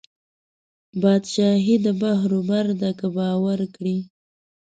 بادشاهي د بحر وبر ده که باور کړې